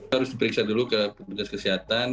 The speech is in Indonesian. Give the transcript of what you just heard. harus diperiksa dulu ke petugas kesehatan